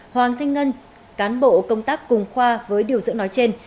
hoàng thanh ngân cán bộ công tác cùng khoa với điều dưỡng nói trên